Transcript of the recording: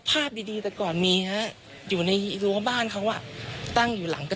คุณผู้ชมฟังเสียงคุณธนทัศน์เล่ากันหน่อยนะคะ